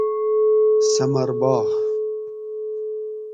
ثمر باغ